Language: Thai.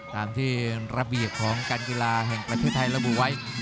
ตามที่ระเบียบของการกีฬาแห่งประเทศไทยระบุไว้